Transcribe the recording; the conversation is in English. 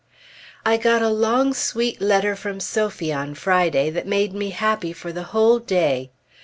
I got a long sweet letter from Sophie on Friday that made me happy for the whole day.